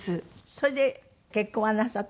それで結婚はなさったんでしょ？